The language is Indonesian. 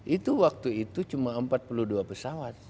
itu waktu itu cuma empat puluh dua pesawat